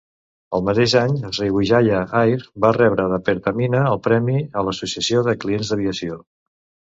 El mateix any Sriwijaya Air va rebre de Pertamina el Premi a l'Associació de Clients d'Aviació.